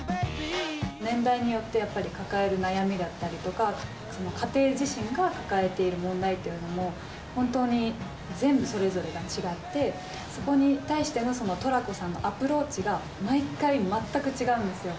年代によってやっぱり、抱える悩みだったりとか、その家庭自身が抱えている問題というのも、本当に全部、それぞれが違って、そこに対してのトラコさんのアプローチが毎回、全く違うんですよ。